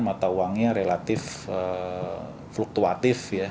mata uangnya relatif fluktuatif ya